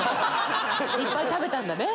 いっぱい食べたんだね。